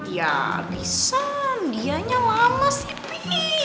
ya bisa dianya lama sih bi